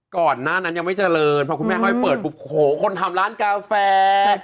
ก่อนหน้านั้นยังไม่เจริญพอคุณแม่ค่อยเปิดปุ๊บโหคนทำร้านกาแฟ